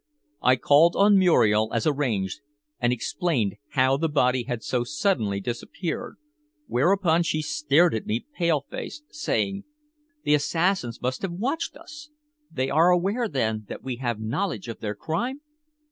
I called on Muriel as arranged, and explained how the body had so suddenly disappeared, whereupon she stared at me pale faced, saying "The assassins must have watched us! They are aware, then, that we have knowledge of their crime?"